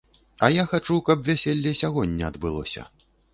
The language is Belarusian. А я хачу, каб вяселле сягоння адбылося.